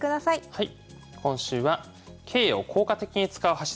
はい。